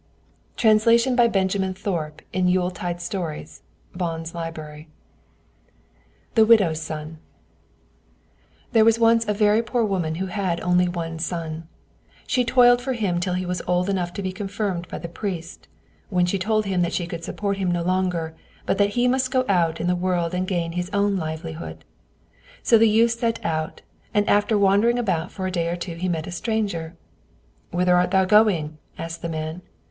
Translation by Benjamin Thorpe in 'Yule Tide Stories' (Bonn's Library). THE WIDOW'S SON There was once a very poor woman who had only one son. She toiled for him till he was old enough to be confirmed by the priest, when she told him that she could support him no longer, but that he must go out in the world and gain his own livelihood. So the youth set out, and after wandering about for a day or two he met a stranger. "Whither art thou going?" asked the man.